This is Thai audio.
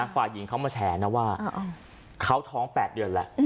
ฝ่ายหญิงเขามาแฉนะว่าเขาท้อง๘เดือนแล้ว